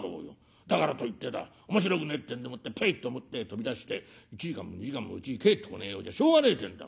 だからといってだ面白くねえってんでもってぷいと表へ飛び出して１時間も２時間もうちに帰ってこねえようじゃしょうがねえってんだ